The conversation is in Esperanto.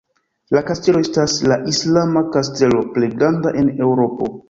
La Kastelo estas la islama kastelo plej granda en Eŭropo.